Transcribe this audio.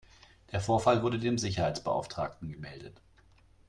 Der Vorfall wurde dem Sicherheitsbeauftragten gemeldet.